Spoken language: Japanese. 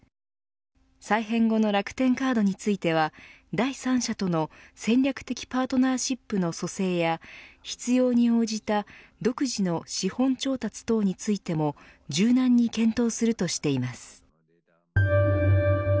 再編後の楽天カードについては第三者との戦略的パートナーシップの組成や必要に応じた独自の資本調達等についても柔軟に検討するとしています。